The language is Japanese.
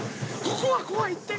ここは怖いって。